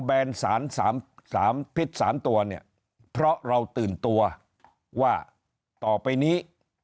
แนนสาร๓พิษ๓ตัวเนี่ยเพราะเราตื่นตัวว่าต่อไปนี้